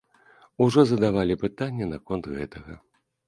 Ужо задавалі пытанне наконт гэтага.